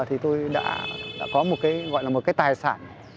thì tôi đã có một cái gọi là một cái tài sản